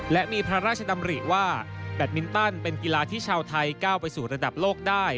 และมีพระราชดำริว่าแบตมินตันเป็นกีฬาที่ชาวไทยก้าวไปสู่ระดับโลกได้